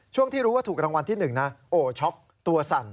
ช่วงที่รู้ว่าถูกรางวัลที่๑นะโอ้ช็อกตัวสั่น